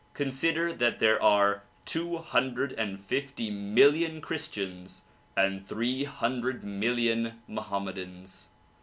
Consider that there are two hundred and fifty million Christians and three hundred million Mohammedans.